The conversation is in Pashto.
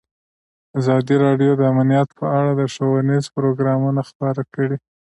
ازادي راډیو د امنیت په اړه ښوونیز پروګرامونه خپاره کړي.